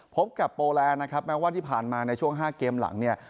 พบกับโปแลนด์นะครับแม้ว่าที่ผ่านมาในช่วง๕เกมหลังเนี่ย